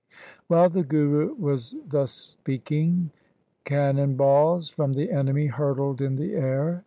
While the Guru was thus speaking, cannon balls from the enemy hurtled in the air.